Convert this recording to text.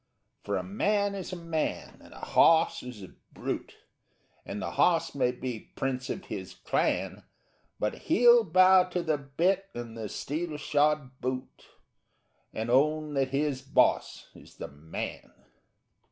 For a man is a man and a hawse is a brute, And the hawse may be prince of his clan But he'll bow to the bit and the steel shod boot _And own that his boss is the man.